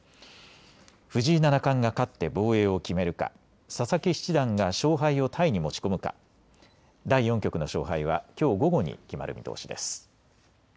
藤井七冠が勝って防衛を決めるか、佐々木七段が勝敗をタイに持ち込むか、第４局の勝敗はきょう午後に決まる見通しです。